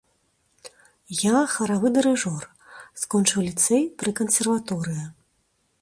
Я харавы дырыжор, скончыў ліцэй пры кансерваторыі.